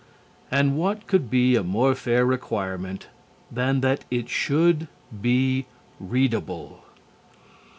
And what could be a more fair requirement than that it should be readable?